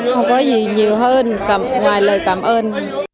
không có gì nhiều hơn ngoài lời cảm ơn